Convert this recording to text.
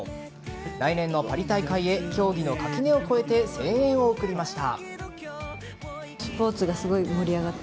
来年のパリ大会へ競技の垣根を越えて声援を送りました。